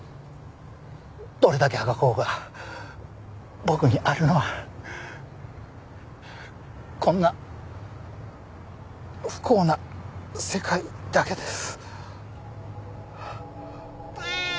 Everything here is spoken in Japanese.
どれだけあがこうが僕にあるのはこんな不幸な世界だけです。